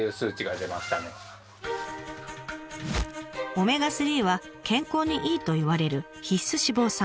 オメガ３は健康にいいといわれる必須脂肪酸。